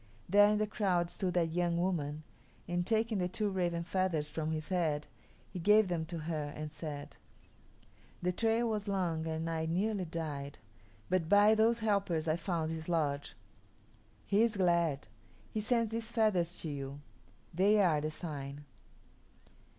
There in the crowd stood that young woman, and, taking the two raven feathers from his head, he gave them to her and said, "The trail was long and I nearly died, but by those helpers I found his lodge. He is glad. He sends these feathers to you. They are the sign."